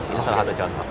itu salah satu contoh